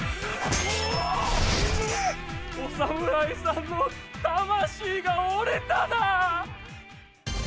お侍さんの魂が折れただ。